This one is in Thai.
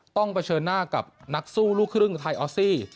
เผชิญหน้ากับนักสู้ลูกครึ่งไทยออสซี่